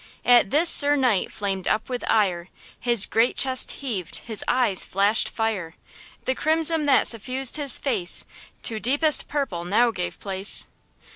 "At this sir knight flamed up with ire! His great chest heaved! his eyes flashed fire. The crimson that suffused his face To deepest purple now gave place."